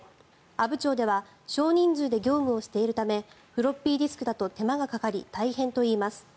阿武町では少人数で業務をしているためフロッピーディスクだと手間がかかり、大変といいます。